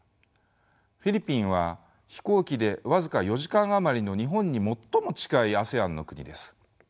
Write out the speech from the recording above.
フィリピンは飛行機で僅か４時間余りの日本に最も近いＡＳＥＡＮの国です。